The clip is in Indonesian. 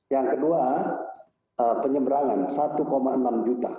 yang kedua penyeberangan satu enam juta